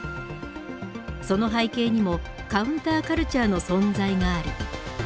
その背景にもカウンターカルチャーの存在がある。